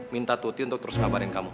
minta tuti untuk terus kabarin kamu